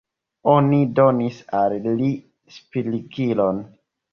Oni donis al li spirigilon.